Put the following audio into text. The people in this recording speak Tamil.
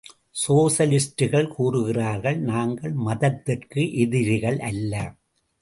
சோஷலிஸ்டுகள் கூறுகிறார்கள் நாங்கள் மதத்திற்கு எதிரிகள் அல்ல.